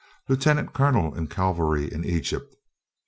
Lieutenant colonel of cavalry in Egypt.